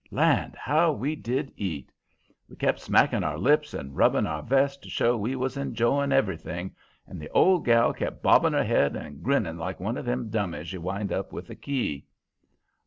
Land, how we did eat! We kept smacking our lips and rubbing our vests to show we was enjoying everything, and the old gal kept bobbing her head and grinning like one of them dummies you wind up with a key.